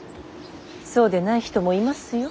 そうでない人もいますよ。